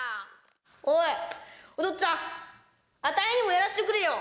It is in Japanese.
おい、おとっつぁん、あたいにもやらせてくれよ。